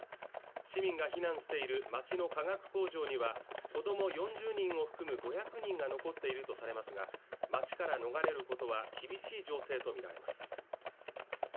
市民が避難している町の化学工場には子ども４０人を含む５００人が残っているとされますが町から逃れることは厳しい情勢と見られます